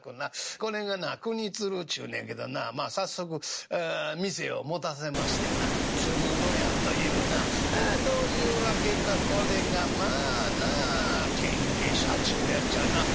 これがな国鶴ちゅうねんけどなまあ早速店を持たせましてな鶴の家というなどういう訳かこれがまあなあけんげしゃちゅうやっちゃな。